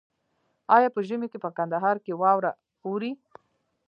آیا په ژمي کې په کندهار کې واوره اوري؟